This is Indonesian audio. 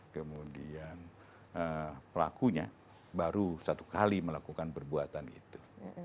kemudian pelakunya baru satu kali melakukan perbuatan itu